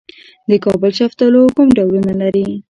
د کابل شفتالو کوم ډولونه لري؟